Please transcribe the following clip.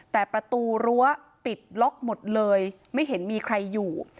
แต่ประตูรั้วปิดล็อกหมดเลยไม่เห็นมีใครอยู่